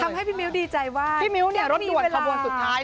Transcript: ทำให้พี่มิวดีใจว่าพี่มิวรวดด่วนความวนสุดท้าย